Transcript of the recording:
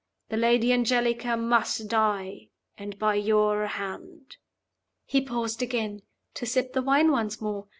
The Lady Angelica must die and by your hand.'" He paused again. To sip the wine once more?